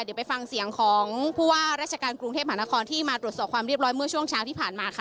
เดี๋ยวไปฟังเสียงของผู้ว่าราชการกรุงเทพหานครที่มาตรวจสอบความเรียบร้อยเมื่อช่วงเช้าที่ผ่านมาค่ะ